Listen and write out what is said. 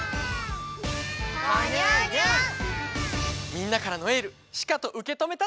みんなからのエールしかとうけとめたである！